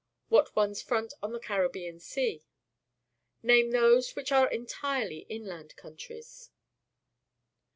What ones front on the Caribbean Sea? Name those which are entirely inland countries.